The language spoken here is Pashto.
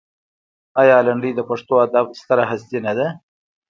آیا لنډۍ د پښتو ادب ستره هستي نه ده؟